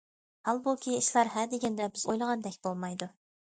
ھالبۇكى، ئىشلار ھە دېگەندە بىز ئويلىغاندەك بولمايدۇ.